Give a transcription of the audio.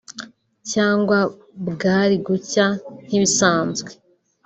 Cyangwa bwari gucya nk’ibisanzwe